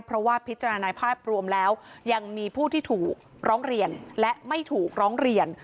เพราะว่าพิจารณาภาพรวมแล้วยังมีผู้ที่ถูกร้องเรียนและไม่ถูกร้องเรียน